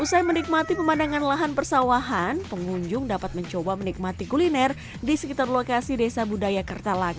usai menikmati pemandangan lahan persawahan pengunjung dapat mencoba menikmati kuliner di sekitar lokasi desa budaya kertalang